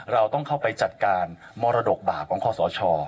เราต้องเข้าไปจัดการมรดกบาปของคอสช